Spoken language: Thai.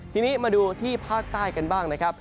ทีนี้มาดูที่ภาคใต้กันบ้างนะครับ